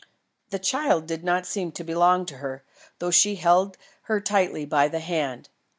The child did not seem to belong to her, though she held her tightly by the hand.